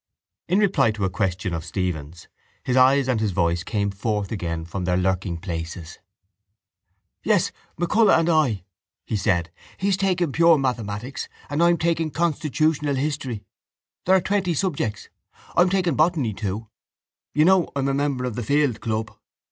In reply to a question of Stephen's his eyes and his voice came forth again from their lurkingplaces. —Yes, MacCullagh and I, he said. He's taking pure mathematics and I'm taking constitutional history. There are twenty subjects. I'm taking botany too. You know I'm a member of the field club.